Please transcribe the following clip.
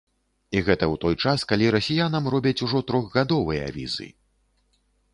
І гэта ў той час, калі расіянам робяць ужо трохгадовыя візы!